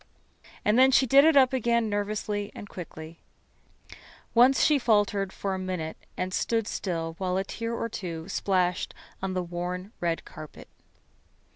And then she did it up again nervously and quickly. Once she faltered for a minute and stood still where a tear or two splashed on the worn red carpet.